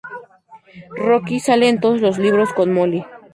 Rocky sale en todos los libros con Molly.